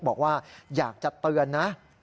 บอกว่าอยากจะเตือนนะ